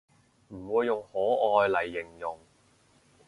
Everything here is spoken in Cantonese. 唔會用可愛嚟形容